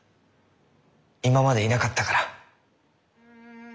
今までいなかったから。